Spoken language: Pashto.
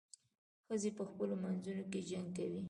ښځې په خپلو منځو کې جنګ کوي.